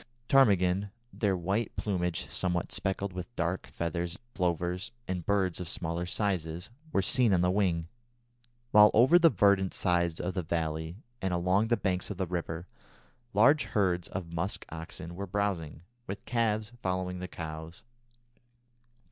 Ptarmigan, their white plumage somewhat speckled with dark feathers, plovers, and birds of smaller size, were seen on the wing; while over the verdant sides of the valley and along the banks of the river, large herds of musk oxen were browsing, with calves following the cows.